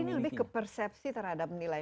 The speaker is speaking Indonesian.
jadi ini lebih ke persepsi terhadap nilai